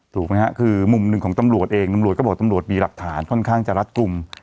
ถูกไหมฮะคือมุมหนึ่งของตำรวจเองตำรวจก็บอกตำรวจมีหลักฐานค่อนข้างจะรัดกลุ่ม